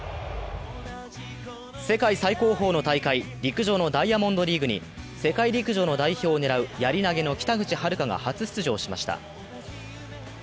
世界最高峰の大会、陸上のダイヤモンドリーグに世界陸上の代表を狙うやり投げの北口榛花が初出場しました。